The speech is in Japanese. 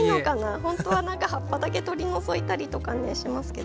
ほんとはなんか葉っぱだけ取り除いたりとかねしますけど。